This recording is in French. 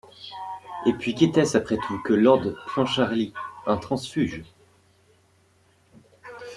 Et puis, qu’était-ce après tout que lord Clancharlie? un transfuge.